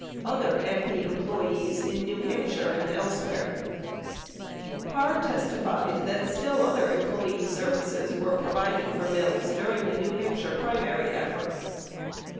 OTHER AMPI EMPLOYEES IN NEW HAMPSHIRE AND ELSEWHERE Parr testified that still other employee services were provided for Mills during the New' Hampshire primary effort.